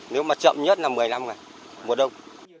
nếu mà chậm nhất là một mươi năm ngày mùa đông